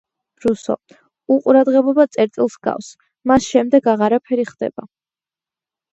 რუსო: უყურადღებობა წერტილს ჰგავს, მას შემდეგ აღარაფერი ხდება.